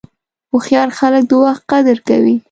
هوښیار خلک د وخت قدر کوي.